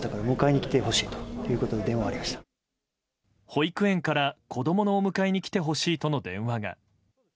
保育園から子供のお迎えに来てほしいとの電話が。